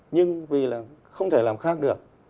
nhưng vì là không thể làm khác được